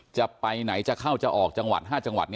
จะไปไหนจะเข้าจะออกจังหวัด